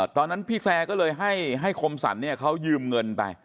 ตอนนั้นพี่แซ่ก็เลยให้ผมสรรเขายืมเงินไป